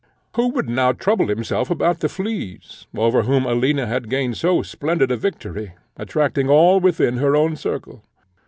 Who would now trouble himself about the fleas, over whom Alina had gained so splendid a victory, attracting all within her own circle?